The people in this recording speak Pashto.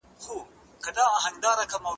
که تاسي ورزش ونه کړئ، نو ژر به ستړي شئ.